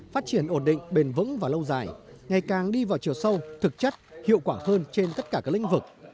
phát triển ổn định bền vững và lâu dài ngày càng đi vào chiều sâu thực chất hiệu quả hơn trên tất cả các lĩnh vực